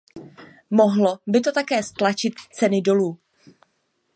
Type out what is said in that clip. Mohlo by to také stlačit ceny dolů.